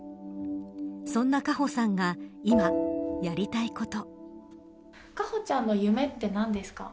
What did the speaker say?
そんな果歩さんが今、やりたいこと。